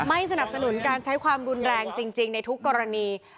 ไม่สนับสนุนการใช้ความรุนแรงจริงในทุกกรณี